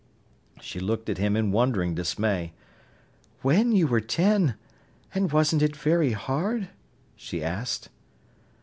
She looked at him in wondering dismay. "When you were ten! And wasn't it very hard?" she asked.